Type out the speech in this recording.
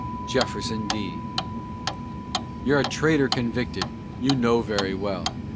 JEFFERSON D. You're a traitor convicted, you know very well!